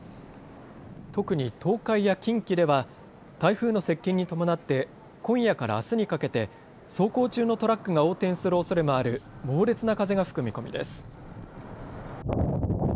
特に東海や近畿では台風の接近に伴って今夜からあすにかけて走行中のトラックが横転するおそれもある猛烈な風が吹く見込みです。